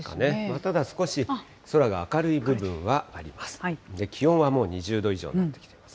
ただ、少し空が明るい部分はあります。